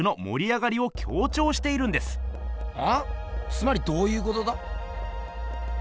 つまりどういうことだ？